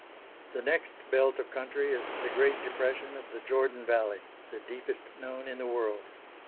The next belt of country is the great depression of the Jordan Valley, the deepest known in the world.